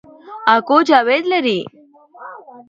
اکو جاوید لري